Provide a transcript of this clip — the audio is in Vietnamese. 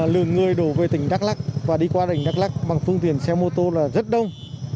lượng người đổ về tỉnh đắk lắc và đi qua tỉnh đắk lắc bằng phương tiện xe mô tô là rất đông